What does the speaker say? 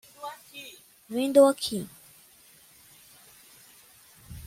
Vindo aqui